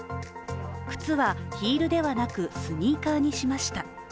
靴はヒールではなく、スニーカーにしました。